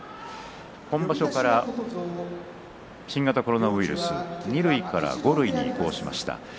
今場所から新型コロナウイルス２類から５類に移行しました。